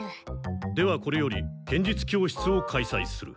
ではこれより剣術教室を開さいする。